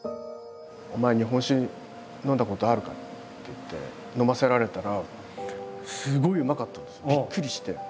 「お前日本酒飲んだことあるか？」って言って飲ませられたらすごいうまかったんですよ。